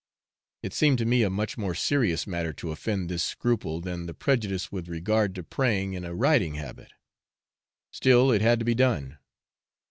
It seemed to me a much more serious matter to offend this scruple than the prejudice with regard to praying in a riding habit; still it had to be done.